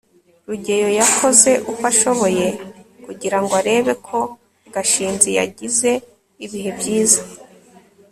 rugeyo yakoze uko ashoboye kugira ngo arebe ko gashinzi yagize ibihe byiza